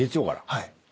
はい。